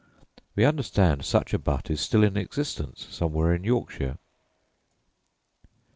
We understand such a butt is still in existence somewhere in Yorkshire.